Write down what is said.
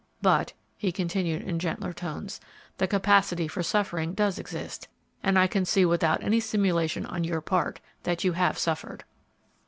But," he continued, in gentler tones, "the capacity for suffering does exist, and I can see without any simulation on your part that you have suffered."